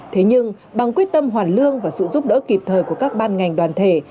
thế nhưng bằng quyết tâm hoàn lương và sự giúp đỡ kịp thời của các ban ngành đoàn thể